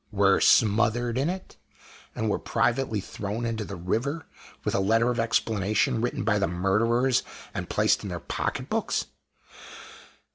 were smothered in it? and were privately thrown into the river, with a letter of explanation written by the murderers and placed in their pocket books?